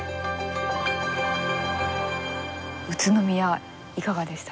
宇都宮いかがでした？